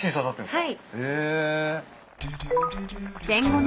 はい。